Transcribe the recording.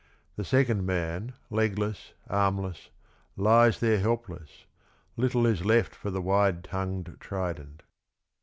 The second man, legless, armless, lies there helpless. Little is left for the wide tongued trident.